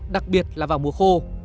đặc biệt là vào mùa khô